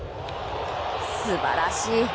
素晴らしい。